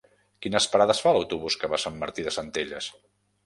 Quines parades fa l'autobús que va a Sant Martí de Centelles?